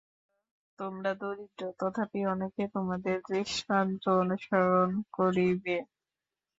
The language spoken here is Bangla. যদিও তোমরা দরিদ্র, তথাপি অনেকে তোমাদের দৃষ্টান্ত অনুসরণ করিবে।